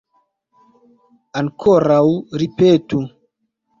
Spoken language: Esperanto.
Ankoraŭ ripetu.